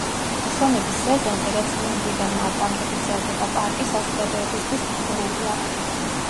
მუსონების სეზონზე, რაც ნოემბრიდან მარტამდე გრძელდება, პარკი საზოგადოებისთვის დახურულია.